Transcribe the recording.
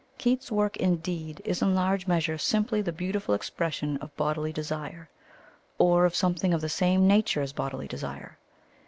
Keats's work, indeed, is in large measure simply the beautiful expression of bodily desire, or of something of the same nature as bodily desire.